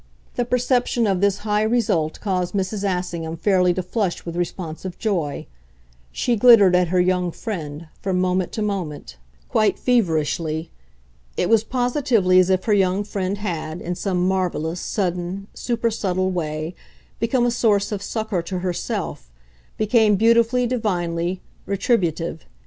The perception of this high result caused Mrs. Assingham fairly to flush with responsive joy; she glittered at her young friend, from moment to moment, quite feverishly; it was positively as if her young friend had, in some marvellous, sudden, supersubtle way, become a source of succour to herself, become beautifully, divinely retributive.